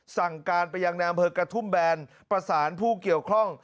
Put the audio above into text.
สั่งการไปยังในอำเภอกระทุ่มแบนประสานผู้เกี่ยวข้อง